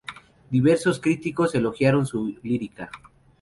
Diversos críticos elogiaron su lírica.